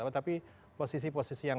tapi posisi posisi yang